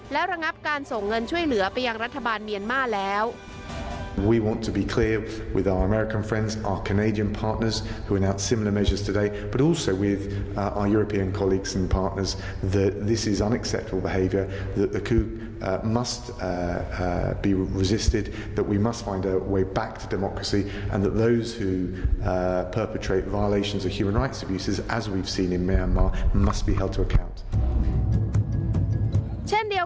และระงับการส่งเงินช่วยเหลือไปยังรัฐบาลเมียนมาร์แล้ว